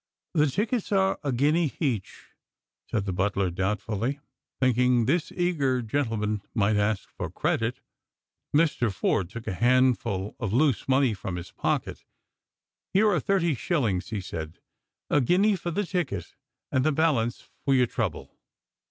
" The tickets are a guinea heach," said the butler doubtfnll}', thinking this eag^r gentleman might ask for credit. Mr. Forde took a handful of loose money from his pocket. "Here are thirty shillings," he said; " a guinea for the ticketj and the balance for your trouble."